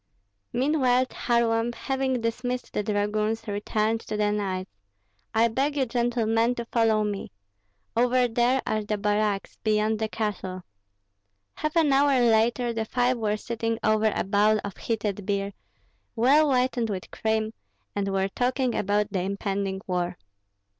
Meanwhile Kharlamp, having dismissed the dragoons, returned to the knights. "I beg you, gentlemen, to follow me. Over there are the barracks, beyond the castle." Half an hour later the five were sitting over a bowl of heated beer, well whitened with cream, and were talking about the impending war.